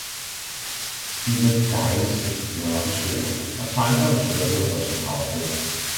De var de dejligste, mørke søer, og tankerne svømmede der som havfruer.